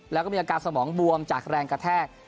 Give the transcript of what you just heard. แล้วก็มีอาการสมองบวมจากแรงกระแทก